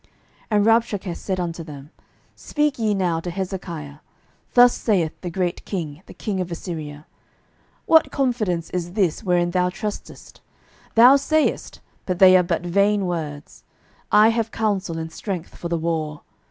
12:018:019 And Rabshakeh said unto them, Speak ye now to Hezekiah, Thus saith the great king, the king of Assyria, What confidence is this wherein thou trustest? 12:018:020 Thou sayest, (but they are but vain words,) I have counsel and strength for the war.